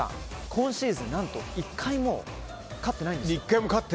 今シーズン何と１回も勝ってないんですよ。